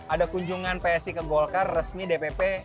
ada kunjungan psi ke golkar resmi dpp